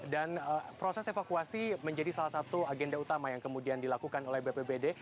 dan proses evakuasi menjadi salah satu agenda utama yang kemudian dilakukan oleh bppd